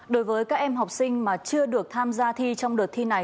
đối với các em học sinh mà chưa được tham gia thi trong đợt thi này